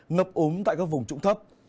ngập úm tại các vùng trụng thấp